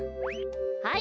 はい。